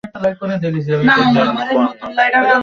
এটা রূপার না।